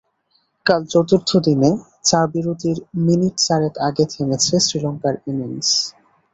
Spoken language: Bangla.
কাল চতুর্থ দিনে চা বিরতির মিনিট চারেক আগে থেমেছে শ্রীলঙ্কার ইনিংস।